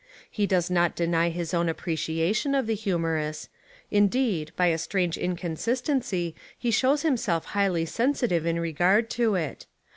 He does not deny his own appreciation of the humorous. Indeed, by a strange inconsistency he shows himself highly sensitive in regard to it.